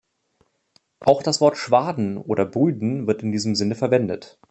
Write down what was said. Auch das Wort Schwaden oder Brüden wird in diesem Sinne verwendet.